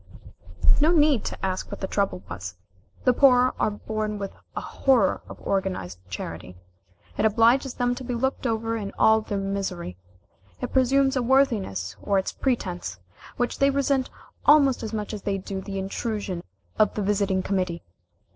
No need to ask what the trouble was. The poor are born with a horror of organized charity. It obliges them to be looked over in all their misery; it presumes a worthiness, or its pretence, which they resent almost as much as they do the intrusion of the visiting committee.